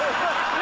何？